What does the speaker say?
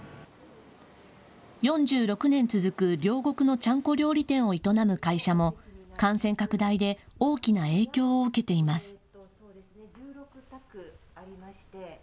４６年続く両国のちゃんこ料理店を営む会社も感染拡大で大きな影響を受けています。